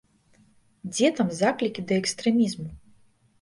Дзе там заклікі да экстрэмізму?